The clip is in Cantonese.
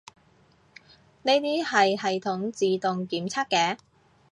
呢啲係系統自動檢測嘅